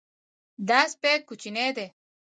دا سپی کوچنی دی.